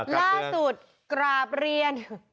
ล่าสุดกราบเรียน